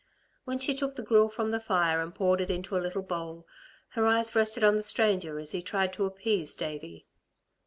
When she took the gruel from the fire and poured it into a little bowl, her eyes rested on the stranger as he tried to appease Davey.